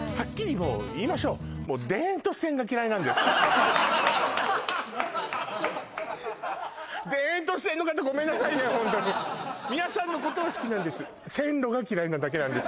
もう言いましょうホントに皆さんのことは好きなんですなだけなんです